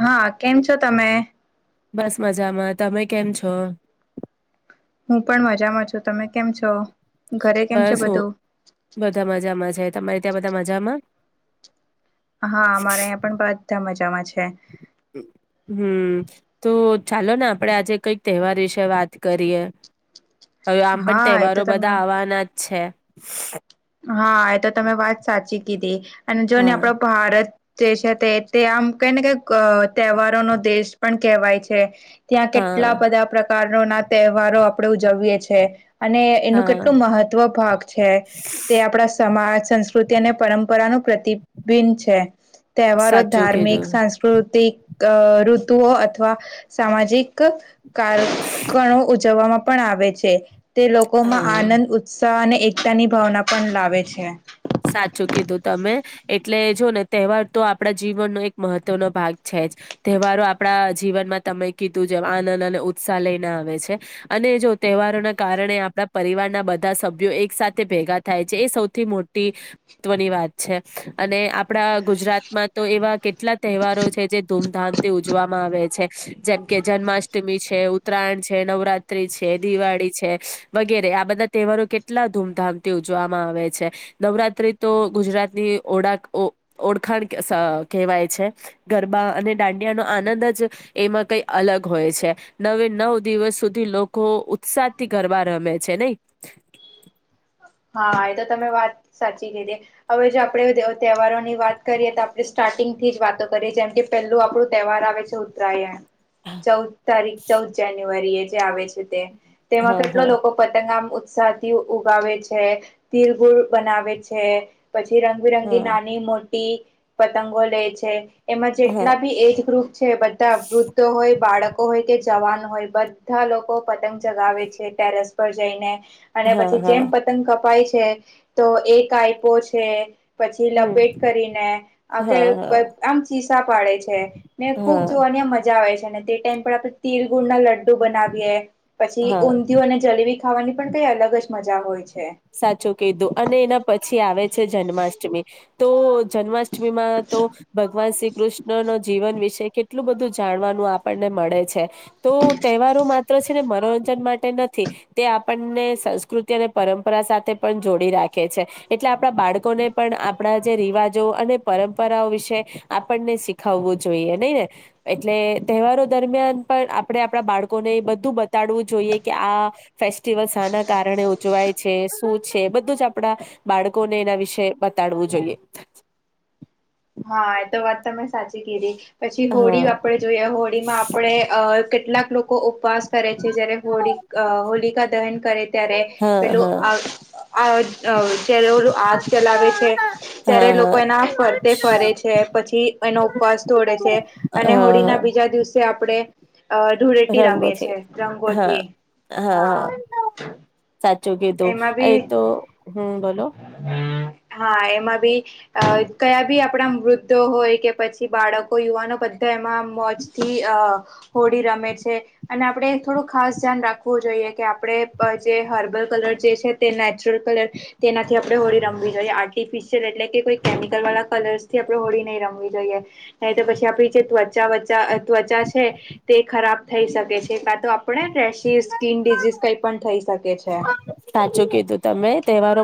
હા કેમ છો? તમે બસ મજામાં. તમે કેમ છો? હું પણ મજામાં છું. તમે કેમ છો? ઘરે કેમ છે બસ હુ બધું બધા મજામાં છે. તમારે ત્યાં બધા મજામાં? હા મારે અહીંયા પણ બધા મજામાં છે. હમ્મ તો ચાલોને આપડે આજે કઈક તહેવાર વિશે વાત કરીએ. હવે આમ પણ હા એ તો તહેવારો તમે બધા આવાના જ છે. હા એ તો તમે વાત સાચી કીધી. અને જોને હા આપડે ભારત જે છે તે તે આમ કઈ ને કઈક અ તહેવારોનો દેશ પણ કેહેવાય છે. ત્યાં હા કેટલા બધા પ્રકારનો ના તહેવારો આપણેે ઉજવીએ છે. અને એનું હા કેટલું મહત્વ ભાગ છે. તે આપણા સમાજ, સંસ્કૃતિ અને પરંપરાનું પ્રતિબિન છે. તહેવારો સાચું ધાર્મિક, કીધું સાંસ્કૃતિક અ ઋતુઓ અથવા સામાજિક કાર કણો ઉજવવામાં પણ આવે છે. તે લોકોમાં હા આનંદ, ઉત્સાહ અને એકતાની ભાવના પણ લાવે છે. સાચું કીધું તમે. એટલે જોને તહેવાર તો આપડા જીવનનો એક મહત્વનો ભાગ છે. તહેવારો આપણા જીવનમાં તમે કીધું જેમ, આનંદ અને ઉત્સાહ લઈને આવે છે. અને જો તહેવારોના કારણે આપણા પરિવારના બધા સભ્યો એક સાથે ભેગા થાય છે. એ સૌથી મોટ તી તવની વાત છે. અને આપણા ગુજરાતમાં તો એવા કેટલા તહેવારો છે. જે ધૂમધામથી ઉજવામાં આવે છે. જેમ કે જન્માષ્ટમી છે, ઉત્તરાયણ છે, નવરાત્રી છે. દિવાળી છે, વગેરે. આ બધા તહેવારો કેટલા ધૂમધામથી ઉજવામાં આવે છે. નવરાત્રી તો ગુજરાતની ઓળખ ઓ ઓળખાણ કેશ કેહેવાય છે. ગરબા અ અને દાંડિયાનો આનંદ જ એમાં કઈ અલગ હોય છે. નવે નવ દિવસ સુધી લોકો ઓ ઉત્સાહથી ગરબા રમે છે. નય હા એ તો તમે વાત સાચી કીધી. હવે જે આપડે તહેવારોની વાત કરીએ તો આપણે સ્ટા સાર્ટિંગથી જ વાતો કરીએ. જેમકે પેલું આપણું તહેવાર આવે છે, ઉત્તરાયણ ચૌદ તારીખ ચૌદ જાન્યુઆરી એ જે આવે છે તે તેમાં હા કેટલા હા લોકો પતંગ આમ ઉત્સાહ થી ઉગાવે છે. છે તિલગુળ બનાવે છે પછી રંગબિરંગી હા નાની મોટ ટી પતંગો લે છે. એમાં હા જેટલા બી એજ ગ્રુપ છે બધા વૃદ્ધો હોય બાળક કો હોય કે જવાન હોય બધા લોકો પતંગ ચગાવે છે ટેરેસ પર જઈને. અને હા પછી હા જેમ પતંગ કપાય છે તો એ કાઈપો છે પછી હમ લપેટ કરીને આકેળ હા આમ ચીસા પાડે છે ને હા ખુબ હા જોવાનું મજા આવે છે અને તે ટાઈમ પર આપણે તીર ગુળના લડ્ડા ડુ બનાવીએ પછી હા ઊંધિું અને જલેબી ખાવાની પણ કઈ અલગ જ મજા હોય છે. સાચું કીધું અને એના પછી આવે છે જન્માષ્ટમી તો જન્માષ્ટમી માં તો ભગવાન શ્રી કૃષ્ણ ન જીવન વિશે કેટલું બધું જાણવાનું આપણને મળે છે તો તહેવારો માત્ર છે ને મનોરંજન માટેના તે આપણને સંસ્કૃતિ અને પરંરા રા સાથે પણ જોડી રાખે છે. એટલે આપણા બાળકોને પણ આપણા જે રિવાજો અને પરંપરા રા વિશે આપણે આપીખું જોઈએ નય ને એટલે તહેવારો દરમિયાન પણ આપ આપણે આપડા બાળકોને એ બધું બતાડવું જોઈએ કે આ ફેસ્ટિવલ શાના કારણે ઉજવાય છે શું છે બધું જ આપણા બાળકોને એના વિશે બતાડવું જોઈએ. [inaudible] હા એ તો વાત તમે સાચી કીધી. પછી હા હોળી આપે જોઈએ હોળી માં આપણે અ કેટલાક લોકો ઉપવાસ કરે છે જયારે હોળી અ હોલિકા દહન કરે ત્યારે હા પેલું હા આ અ ત્યારે આગ ચલાવે છે ત્યારે હા લોકો હા એના ફ તે ફરે છે પછી એનો ઉપવાસ તોડે છે અને હોળી ના હા બીજા દિવસે આપણે આપડે અ ધઢૂળેટી રમીએ રંગોથી છે હા રંગોથી હા. જો કીધું એમાં એ તો બી હમ્મ બોલો. હા એમાં બી અ કયા બી આપણા વૃદ્ધો હોય કે પછી બાળકો યુવાનો બધા એમાં મોજથી હોડી રમે છે અને આપડે થોડું ખાસ ધ્યાન રાખવું જોઈએ. એટલે આપણે જે હર્બલ કલર જે છે તે નેચરલ કલર તેનાથી આપણેે હોળી રમવી જોઈએ આર્ટિફિશિયલ એટલે કે કોઈ કેમિકલ વાળા કલર્સથી આપડણે હોળી નહીં રમવી જોઈએ. નાય તો પછી આપ જે ત્વચા ત્વચા છે તે ખરાબ થઈ શકે છે. કા તો આપણે રેશિસ સ્કીન ડડીઝઝ કંઈ પણ થઈ શકે. છે સાચું કીધું તમે.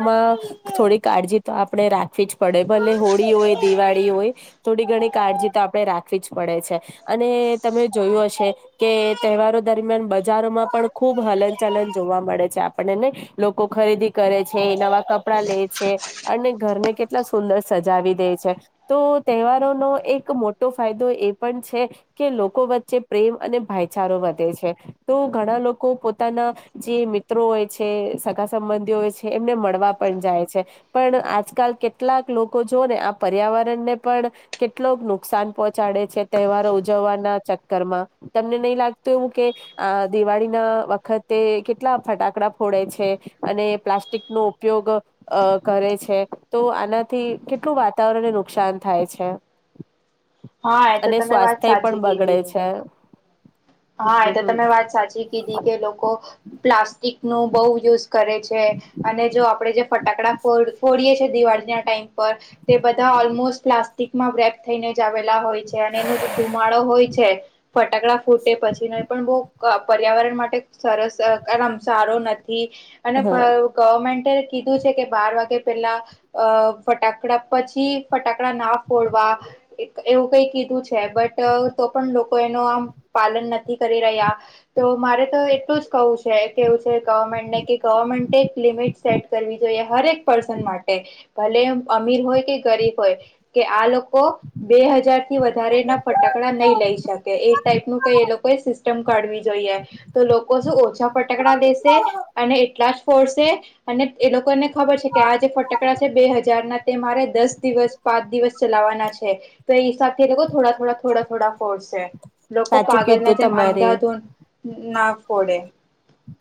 માં થોડી કાળજી તો આપણે રાખવી જ પડે ભલે હોળી હોય દિવાળી હોય થોડી ઘણી કાળજી તો આપણે રાખવી જ પડે છે અને તમે જોયું હશે કે તહેવારો દર મિયાન બજારોમાં પણ ખુબ હલન ચલન જોવા મળે છે. આપણે ને લોકો ખરીદી કરે છે નવા કપડા લે છે અને ઘરને કેટલા સુંદર સજાવી દે છે. તો તહેવારોનો એક મોટો ફાયદો એ પણ છે કે લોકો વચ્ચે પ્રેમ અને ભાઈચારો વધે છે તો ઘણા લોકો પોતાના જે વ્ય મીત્રો હોય છે સગા સંબંધીઓ હોય છે એમને મળવા પણ જાય છે. પણ આજકાલ કેટલાક લોકો જો ને આ પર્યાવરણને પણ કેટલોક નુકસાન પહોંચાડે છે તહેવારો ઉજવવાના ચકરમાં તમને નહી લાગતું એવું કે આ દિવાળી ના વખતે કેટલા ફટાકડા ફોડે છે. અને પ્લાસ્ટિક નો ઉપયોગ અ કરે છે તો આના થી કેટલું વાતાવરણને નુકસાન થાય છે. હા એ તો અને તમે વાત સ્વાસ્થ્ય સાચી પણ બગડે કીધી છે. હા એ હમ તો હમ તમે વાત સાચી કીધી કે લોકો પ્લાસ્ટિક નું બહ યુઝ કરે છે અને જો આપડે જે ફટાકડા ફો ફોડીએે છે. દિવાળી ના ટાઈમ તે બધા ઓલમોસ્ટ પ્લાસ્ટિકમાં પેક થઈને જ આવે. હોય છે અને એનો જે ધુમાડો હોય છે ફટકડા ફૂટે [inaudible] અહ પર્યાવરણ માટે સરસ અહ કા એમ સારો ન થી અને હા ભવ ગવર્મેન્ટ ટે કીધું છે કે બાર વાગે પેલા અહ ફટાકડા પછી ફટાકડા ના ફોડવા આ એક એવું કઈ કીધું છે બટ અહ તો પણ લોકો એનું આમ પાલન ન નથી કરી રહ્યા તો મારે તો એટલું જ કવું છે કેવું છે ગવર્મેન્ટને કે ગવર્મેન્ટ એક લિમિટ સેટ કરવી જોઈએ હર એક પર્સન માટે ભલે અમીર હોય કે ગરીબ હોય કે આ લોક કો બે હજાર થી વધારે ના ફટાકડા નહી લઈ શકે એ ટાઈપ નું કઈ એ લોક તે સિસ્ટમ કાઢવી જોઈએ. તો લોકો શું ઓછા ફટકડા લેશે અને એટલા જ ફોડશે કે અને એ લોકોને ખબર છે કે આ જે ફટાકડા છે બે હજાર ના તે મારે દસ દિવસ પાંચ દિવસ ચલાવાના છ છે. તે ઈસાબ કે લોકો થોડા થોડા થોડા થોડા ફોર્સ છે. લોકો સાચું પાગલ ના કીધું એમ તમારે અંધાધૂન ના ફોડે.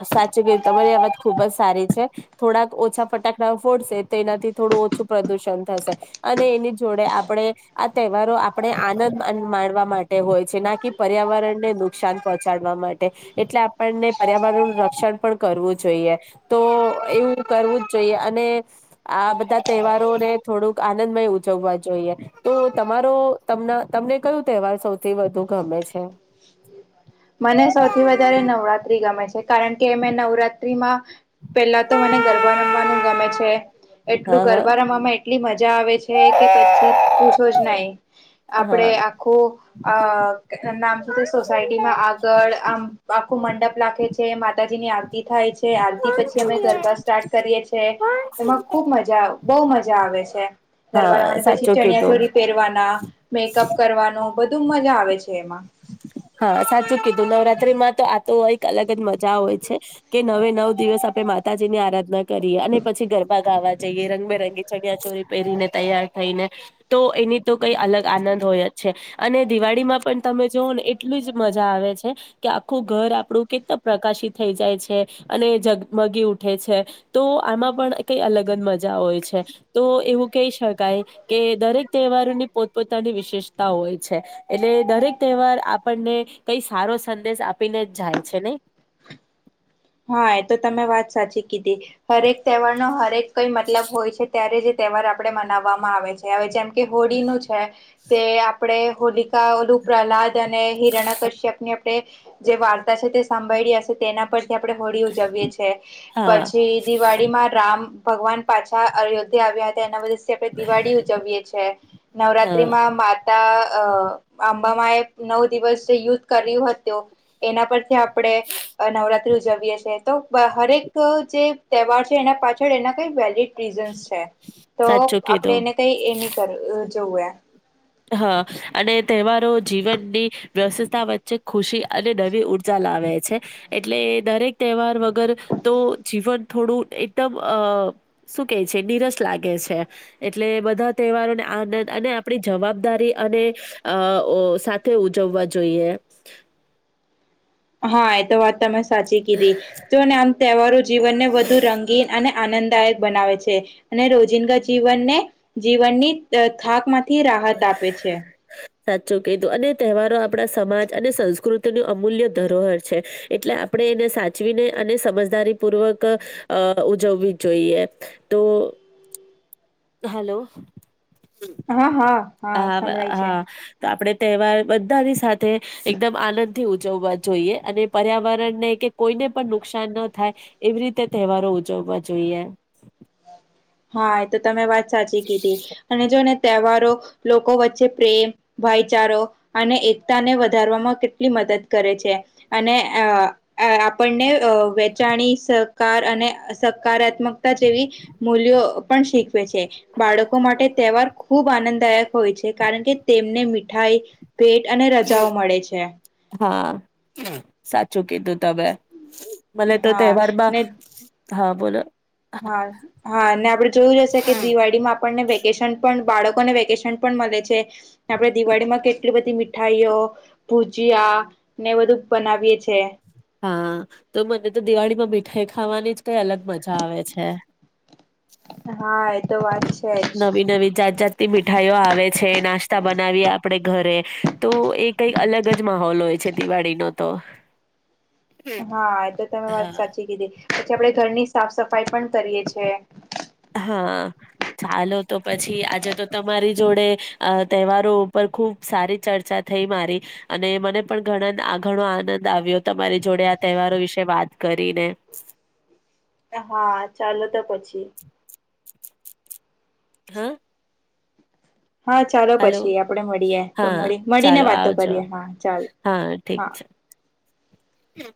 સાચું કીધું તમારી આ વાત ખુબ જ સારી છે થોડાક ઓછા ફટાકડા ફોડશે તો એનાથી થોડું ઓછું પ્રદુષણ થશે અને એની જોડે આપડે આ તહેવારો આપણે આનંદ આન માણવા માટે હોય છે નાકી પર્યાવરણને નુકસાન પહોંચાડવા મા ટે એટલે આપણને પર્યાવરણ નું રક્ષણ પણ કરવું જોઈએ તો એવું કરવું જ જોઈએ અને આ બધા તહેવારોને થોડુંક આનંદમય ઉજવવા જોઈએ. તો તમારો તમના તમને કયું તહેવાર સૌથી વધુ ગમે છે? મને સૌથી વધારે નવરાત્રી ગમે છે. કારણ કે અમે નવરાત્રીમાં પેલા તો મને ગરબા રમવાનું ગમે છે એટલું હા હા ગરબા રમવામાં એટલી મજા આવે છે કે પછી પૂછો જ નહી આપડે હા. આખું અહ કે નામ તું તે સોસાયટ માં આગળ આમ આખું મંડપ લાખે છે માતાજી ની આરતી થાય છે આલ તે પછી અમે ગરબા સ્ટાર્ટ કરીએ છીએ. એમાં ખુબ મજા બહુ મજા આવે છે. ગરબના હા રમવાની પછી સાચું ચણિયા કીધું. ચોરી પહેરવાના મેકઅપ કરવાનું બધું મજા આવે છે એમાં. આ સાચું કીધું નવરાત્રી માં તો આ તો એક અલગ જ મજા હોય છે કે નવે નવ દિવસ આપણે માતા જી ની આરાધના કરીએ અને પછી ગરબા ગાવા જઈએ રંગબેરંગી ચણિયા ચોરી પહેરીને તૈયાર થઈને તો એની તો કઈ અલગ આનંદ હોય જ છે અને દિવાળીમાં પણ તમે જોઓ ને એ એટલી જ મજા આવે છે કે આખું ઘર આપડું કે પ્રકાશિત થઈ જાય છે અને જગ બગગી ઉઠે છે. તો આમાં પણ કઈ અલગ જ મજા હોય છે તો એવું કહી શકાય એ કે દરેક તહેવારોની પોતપોતાની વિશેષતા હોય છે એટલે દરેક તહેવાર આપ આપણને કઈ સારો સંદેશ આપીને જ જાય છે નહી? હા એ તો તમે વાત સાચી કીધી. હરેક તહેવાર નો હરેક કઈ મતલબ હોય છે ત્યારે જે તેહવાર આપણે મનાવવામાં આવે છે. હવે જેમ કે હોળીનું છે તે આપ પણે હોલિકા ઓલું પ્રહલાદ અને હિરણા કશ્યપ ની અપણેે જે વાર્તા છે તે સાંભાળી હશે તેના પર આપણે હોળી ઉજવીએ છીએ હા પછી દિવાળીમાં રામ ભગવાન પાછા અયોધ્યા આવ્યા હતા તેના વિલ્સ છે પે દિવાળી ઉજવીયએ છીએ. નવરાત્રી હા માં માતા અહ આંબામાં એ નવ દિવસ જે યુદ્ધ કર્યું હતું એના પરથી આપણેે અહ નવરાત્રી ઉજવીએ છીએ. તો હરેક જે તહેવાર છે એના પાછળ એના કઈ વેલીડ રીઝન્સ છે. તો સાચું આપણે કીધું એને કઈ એ નહી કર અહ જોવે હા અને તેહવારો જીવનની વ્યસ્તા વચ્ચે ખુશી અને નવી ઉર્જા લા લાવે છે એટલે દરેક તહેવાર વગર તો જીવન થોડું એકદમ અહ અહ શું કે છે નિરસ લાગે છે એટલે બધા તહેવારોને આનંદ અને આપડી જવાબદારી અને અહ ઓહ સાથે ઉજવવા જોઈએ. [inaudible] હા એતો વાત તમે સાચી કીધી જો ને આમ તહેવારો જીવનને વધુ રંગીન અને આનંદદાયક બનાવે છે અને રોજિદાજીવનને જીવનની થાક થી રાહત આપે છે સાચું કીધું અને તહેવારો આપણા સમાજ અને સંસ્કૃતિ ન અમૂલ્ય ધરોહર છે એટલે આપણે એને સાચવીને અને સમજદારી પૂર્વક ઉજવવી જોઈએ તો હલો હા હા હા હ સંભળાય હા છે તો આપડે તહેવાર બધાની સાથે એકદમ આનંદ થી ઉજવવા જોઈએ અને પર્યાવરણ ને કે કોઈ ને પણ નુકસાન ન થાય, એવી રીતે તહેવારો ઉજવવા જોઈએ. હા, તો તમે વાત સાચી કીધી અને જો ને, તહેવાર લોકો વચ્ચે પ્રેમ, ભાઈચારો અને એકતાને વધારવામાં કેટલી મદદ કરે. આપણને વેચાણી સહકાર અને હકારાત્મકતા જેવી મૂલ્યો પણ શીખવે છે. બાળકો માટે તહેવાર ખૂબ આનંદદાયક હોય છે, કારણ કે તેમને મીઠાઈ ભેટ અને રજાઓ મળે છે. હા, સાચું કીધું તમે. મને તો હા તહેવારમાં ને હા, બોલો. હા, હા, અને આપડે જોયું જશે કે દિવાળીમાં આપણને વેકેશન પણ બાળકોને વેકેશન પણ મળે છે. આપડે દિવાળી માં કેટલી બધી મીઠાઈઓ, ભુજીયા ને બધું બનાવીએ છે. હા, તો મને તો દિવાળી માં મીઠાઈ ખાવાની જ કંઈ અલગ મજા આવે છે. [unintelligible] હા એ તો વાત છે જ નવી નવી જાત જાત ની મીઠાઈઓ આવે છે. નાસ્તા બનાવીએ આપણેે ઘરે, તો એ કંઈક અલગ જ માહોલ હોય છે દિવાળીનો, તો હા, એ તો તમે વાત હા. સાચી કીધી. પછી આપડે ઘરની સાફ- સફાઈ પણ કરીએ છે. હા, ચાલો તો પછી આજે તો તમારી જોડે તહેવારો ઉપર ખુબ સારી ચર્ચા થઈ મારી, અને મને પણ ઘણા ઘણો આનંદ આવ્યો તમારી જોડે. તહેવારો વિશે વાત કરીને. હા, ચાલો તો પછી. હા. હા ચાલો હલો, પછી આપડે મળીએ તો હા, મળી મળીને ચાલો. વાતો આવજો. કરીએ હા ચાલ હા, ઠીક હા. છે. હમ.